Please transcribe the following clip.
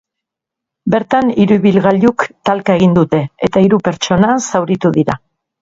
Bertan, hiru ibilgailuk talka egin dute eta hiru pertsona zauritu dira.